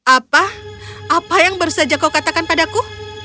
apa apa yang baru saja kau katakan padaku